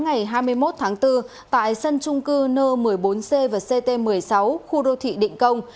ngày hai mươi một tháng bốn tại sân trung cư n một mươi bốn c và ct một mươi sáu khu đô thị định công